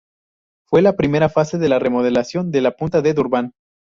Fue la primera fase de la remodelación de la Punta de Durban.